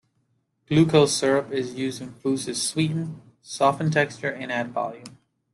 Glucose syrup is used in foods to sweeten, soften texture and add volume.